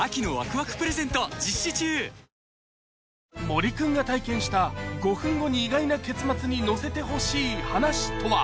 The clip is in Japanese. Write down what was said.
森君が体験した『５分後に意外な結末』に載せてほしい話とは？